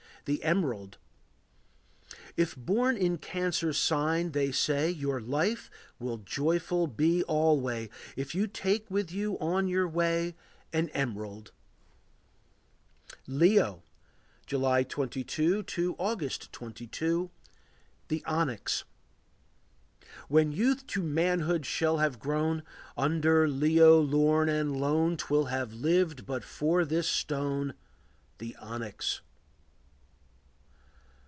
The Emerald. If born in Cancer's sign, they say, Your life will joyful be alway, If you take with you on your way An emerald. Leo. July 22 to August 22. The Onyx. When youth to manhood shall have grown, Under Leo lorn and lone 'Twill have lived but for this stone, The onyx.